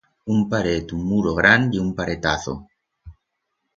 Una paret u muro gran ye un paretazo.